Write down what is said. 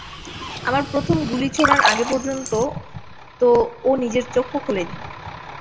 আমার প্রথম গুলি ছোঁড়ার আগে পর্যন্ত তো ও নিজের চোখও খোলেনি।